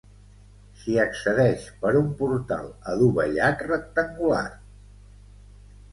S'hi accedeix per un portal adovellat rectangular.